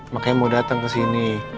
makanya mau datang ke sini